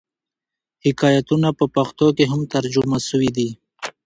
حکایتونه په پښتو کښي هم ترجمه سوي دي.